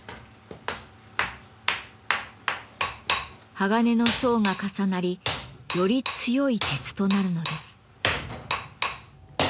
鋼の層が重なりより強い鉄となるのです。